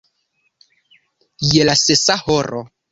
je la sesa horo.